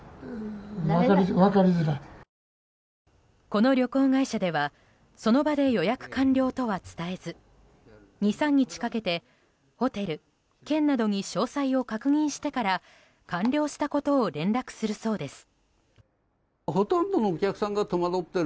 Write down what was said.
この旅行会社ではその場で予約完了とは伝えず２３日かけて、ホテル県などに詳細を確認してから完了したことを連絡するそうです。